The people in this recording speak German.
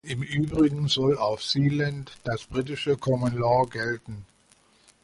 Im Übrigen soll auf Sealand das britische Common Law gelten.